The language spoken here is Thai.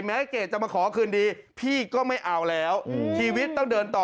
เกรดจะมาขอคืนดีพี่ก็ไม่เอาแล้วชีวิตต้องเดินต่อ